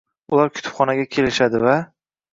Ular kutubxonaga kelishadi va.